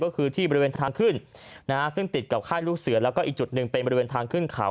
ก็คือที่บริเวณทางขึ้นนะฮะซึ่งติดกับค่ายลูกเสือแล้วก็อีกจุดหนึ่งเป็นบริเวณทางขึ้นเขา